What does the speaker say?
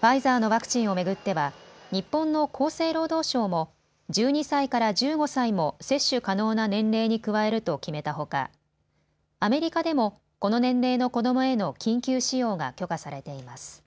ファイザーのワクチンを巡っては日本の厚生労働省も１２歳から１５歳も接種可能な年齢に加えると決めたほかアメリカでもこの年齢の子どもへの緊急使用が許可されています。